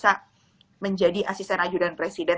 bisa menjadi asisten ajudan presiden